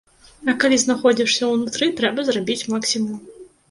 А калі знаходзішся ўнутры, трэба зрабіць максімум.